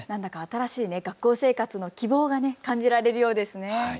新しい学校生活の希望が感じられるようですね。